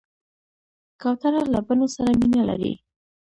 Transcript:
کوتره له بڼو سره مینه لري.